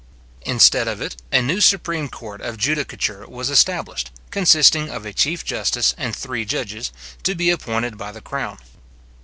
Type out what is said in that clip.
Instead of it, a new supreme court of judicature was established, consisting of a chief justice and three judges, to be appointed by the crown.